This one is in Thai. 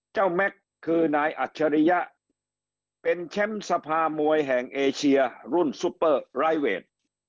เจ้าแมคคือนายอัชริยะเป็นเช่มสภาหมวยแห่งเอเชียรุ่นซุปเปอร์ไลเวท